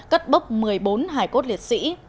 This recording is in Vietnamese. cất bốc một mươi bốn hải cốt liệt sĩ